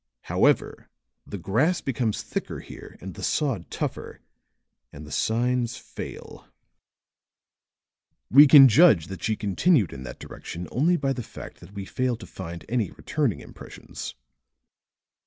"However, the grass becomes thicker here and the sod tougher, and the signs fail. We can judge that she continued in that direction only by the fact that we fail to find any returning impressions."